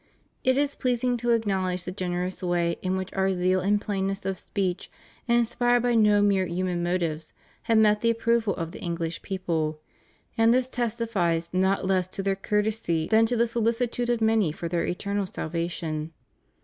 It is pleasing to acknowledge the generous way in which Our zeal and plainness of speech, inspired by no mere human motives, have met the approval of the Eng lish people; and this testifies not less to their courtesy than to tlie solicitude of many for their eternal salvation.